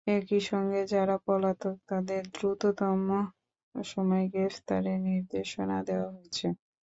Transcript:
একই সঙ্গে যাঁরা পলাতক, তাঁদের দ্রুততম সময়ে গ্রেপ্তারের নির্দেশনা দেওয়া হয়েছে।